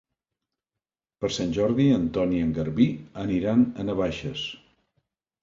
Per Sant Jordi en Ton i en Garbí aniran a Navaixes.